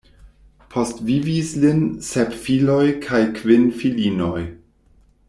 Postvivis lin sep filoj kaj kvin filinoj.